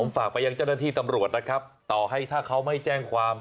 ฝากไปยังเจ้าหน้าที่ตำรวจนะครับต่อให้ถ้าเขาไม่แจ้งความ